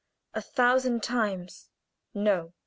A thousand times, no!